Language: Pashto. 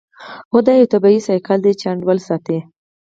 هو دا یو طبیعي سایکل دی چې انډول ساتي